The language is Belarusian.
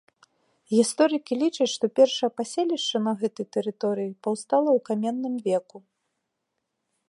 Гісторыкі лічаць, што першае паселішча на гэтай тэрыторыі паўстала ў каменным веку.